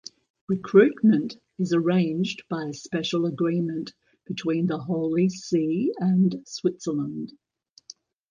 Recruitment is arranged by a special agreement between the Holy See and Switzerland.